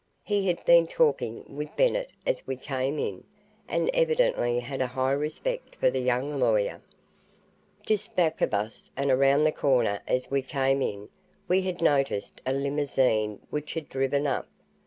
He had been talking with Bennett as we came in and evidently had a high respect for the young lawyer. Just back of us, and around the corner, as we came in, we had noticed a limousine which had driven up.